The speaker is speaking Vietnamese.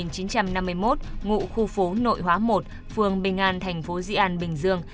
trong năm một nghìn chín trăm năm mươi một ngụ khu phố nội hóa một phường bình an thành phố di an bình dương